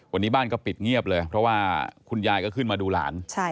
วันนี้บ้านก็ปิดเงียบเลยเพราะว่าคุณยายก็ขึ้นมาดูหลาน